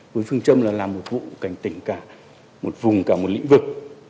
với phương châm là làm một vụ cảnh tỉnh cả một vùng cả một lĩnh vực